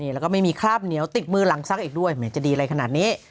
แล้วก็ไม่มีคราบเหนียวติดมือหลังซักอีกด้วยแม้จะดีอะไรขนาดนี้